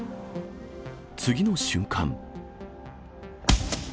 次の瞬間。